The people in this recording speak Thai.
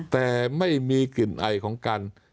แต่ไม่มีกลิ่นไอของการ